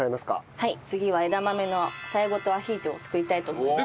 はい次は枝豆のさやごとアヒージョを作りたいと思います。